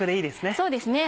そうですね